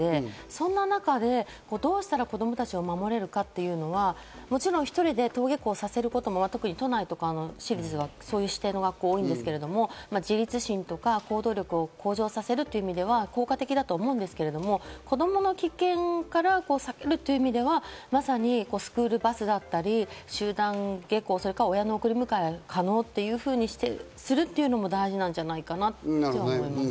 そんな中でどうしたら子供たちを守れるかっていうのは、もちろん１人で登下校させることも、都内とか私立だと、そういう指定の学校が多いですけど自立心とか行動力を向上させるという意味では効果的だと思うんですけど、子供を危険から避けるという意味ではスクールバスだったり、集団下校、親の送り迎え可能というふうにするというのも大事なんじゃないかなって思います。